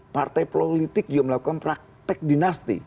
partai politik juga melakukan praktek dinasti